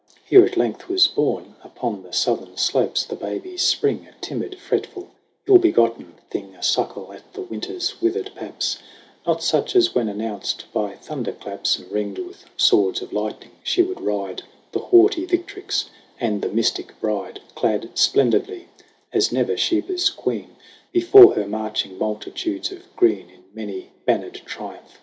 Here at length was born Upon the southern slopes the baby Spring, A timid, fretful, ill begotten thing, A suckle at the Winter's withered paps : Not such as when announced by thunder claps And ringed with swords of lightning, she would ride, The haughty victrix and the mystic bride, Clad splendidly as never Sheba's Queen, Before her marching multitudes of green In many bannered triumph